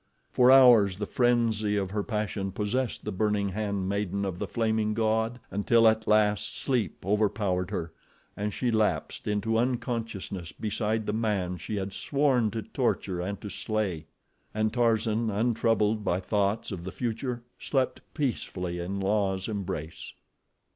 For hours the frenzy of her passion possessed the burning hand maiden of the Flaming God, until at last sleep overpowered her and she lapsed into unconsciousness beside the man she had sworn to torture and to slay. And Tarzan, untroubled by thoughts of the future, slept peacefully in La's embrace.